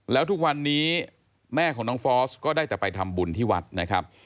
แล้วทุกวันนี้แม่ของน้องฟอสก็ได้แต่ไปทำบุญที่วัดนะครับ